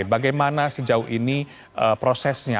bagaimana sejauh ini prosesnya